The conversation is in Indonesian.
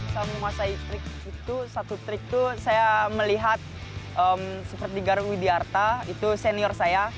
saya menguasai trik itu satu trik itu saya melihat seperti garung widiarta itu senior saya